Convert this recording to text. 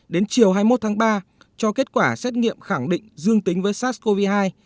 đến chiều hai mươi một tháng ba cho kết quả xét nghiệm khẳng định dương tính với sars cov hai